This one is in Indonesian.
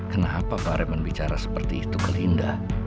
kenapa pak raymond bicara seperti itu ke linda